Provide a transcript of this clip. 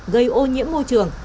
gây ô nhiễm môi trường